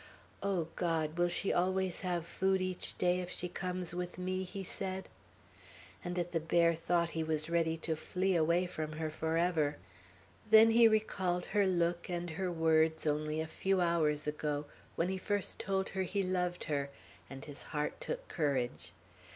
"O God! will she always have food each day if she comes with me?" he said. And at the bare thought he was ready to flee away from her forever. Then he recalled her look and her words only a few hours ago, when he first told her he loved her; and his heart took courage.